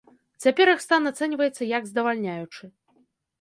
Цяпер іх стан ацэньваецца як здавальняючы.